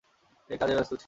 সে কাজে ব্যস্ত ছিল।